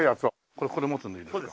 これこう持つのでいいんですか？